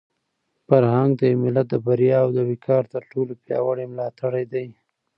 فرهنګ د یو ملت د بریا او د وقار تر ټولو پیاوړی ملاتړی دی.